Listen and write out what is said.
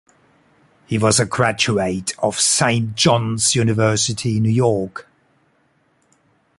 He was a graduate of Saint John's University, New York.